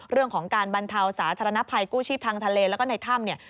เรื่องของการบรรเทาสาธารณภัยกู้ชีพทางทะเลแล้วก็ในถ้ำเนี่ย